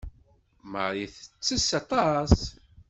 Marie tettess aṭas.